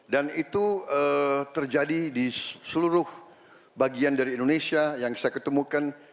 dan itu terjadi di seluruh bagian dari indonesia yang saya ketemukan